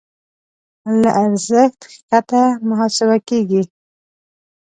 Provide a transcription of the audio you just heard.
له ارزښت کښته محاسبه کېږي.